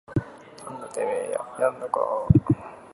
なんだててめぇややんのかぁ